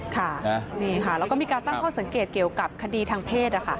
ค่ะนี่ค่ะแล้วก็มีการตั้งข้อสังเกตเกี่ยวกับคดีทางเพศ